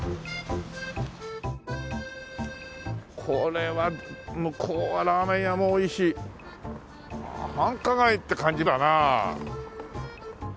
これは向こうはラーメン屋も多いし繁華街って感じだな。